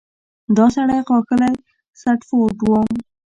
دا سړی ښاغلی سنډفورډ و.